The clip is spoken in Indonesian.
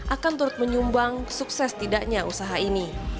akan turut menyumbang sukses tidaknya usaha ini